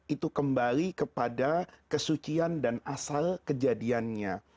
itu kembali kepada kesucian dan asal kejadiannya